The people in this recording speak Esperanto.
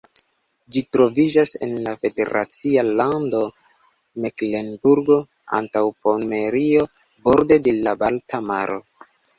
Ĝi troviĝas en la federacia lando Meklenburgo-Antaŭpomerio, borde de la Balta Maro.